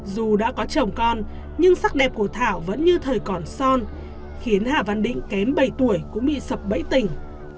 dù đã có chồng con nhưng sắc đẹp của thảo vẫn như thời còn son khiến hà văn định kém bảy tuổi cũng bị sập bẫy tình